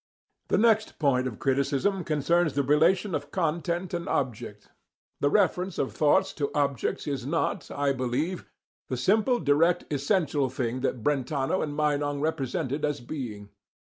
The next point of criticism concerns the relation of content and object. The reference of thoughts to objects is not, I believe, the simple direct essential thing that Brentano and Meinong represent it as being.